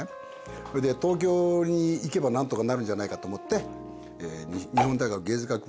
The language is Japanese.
それで東京に行けば何とかなるんじゃないかと思って。